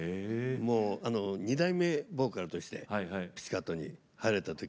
もう２代目ボーカルとしてピチカートに入られた時からずっと。